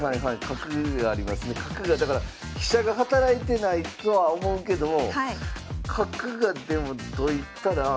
角がだから飛車が働いてないとは思うけども角がでもどいたら。